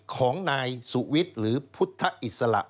ของนายสุวิทย์หรือพุทธอิสระ